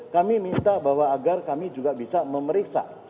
kami minta bahwa agar kami juga bisa memeriksa